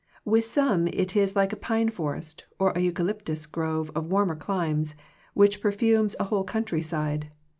With some it is like a pine forest, or a eucalyptus grove of warmer climes, which perfumes a whole country side.